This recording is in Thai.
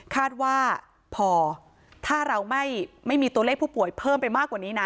คาดว่าพอถ้าเราไม่มีตัวเลขผู้ป่วยเพิ่มไปมากกว่านี้นะ